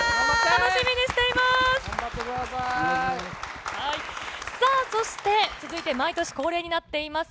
楽しみにしています。